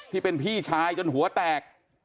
ที่เป็นพี่ชายจนหัวแตก